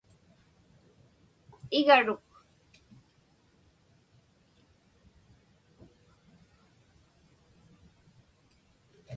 Igaruk.